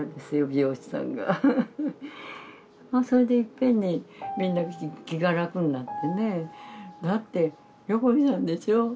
美容師さんがそれでいっぺんにみんな気が楽になってねだって横井さんでしょ